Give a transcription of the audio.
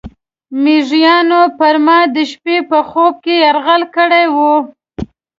میږیانو پر ما د شپې په خوب کې یرغل کړی و.